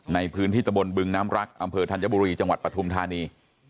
ในพื้นที่ตะบนบึงน้ำรักอำเภอธัญบุรีจังหวัดปฐุมธานี